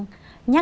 nhắc lại tầm qua